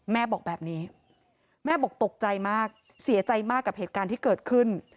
แม่บอกแบบนี้แม่บอกตกใจมากเสียใจมากกับเหตุการณ์ที่เกิดขึ้น